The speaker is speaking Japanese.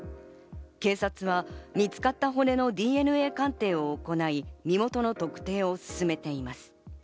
警察は見つかった骨のＤＮＡ鑑定を行い、身元の特定を進めています。